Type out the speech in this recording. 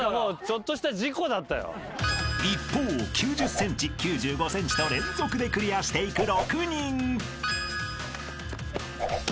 ［一方９０ｃｍ９５ｃｍと連続でクリアしていく６人］